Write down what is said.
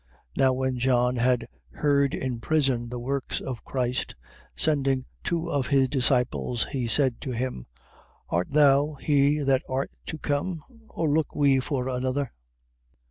11:2. Now when John had heard in prison the works of Christ: sending two of his disciples he said to him: 11:3. Art thou he that art to come, or look we for another?